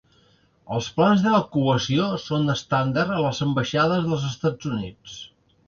Els plans d'evacuació són estàndard a les ambaixades dels Estats Units.